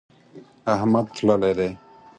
احمد تللی دی.